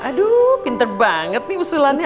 aduh pinter banget nih usulannya